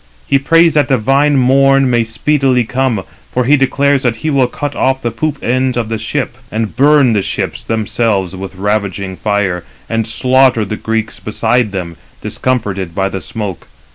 He prays that divine morn may speedily come. For he declares that he will cut off the poop ends 302 of the ships, and burn [the ships] themselves with ravaging fire, and slaughter the Greeks beside them, discomforted by the smoke.